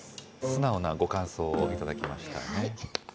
素直なご感想をいただきましたね。